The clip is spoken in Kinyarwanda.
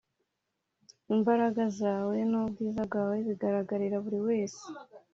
imbaraga zawe n ‘ubwiza bwawe bigaragarira buriwese.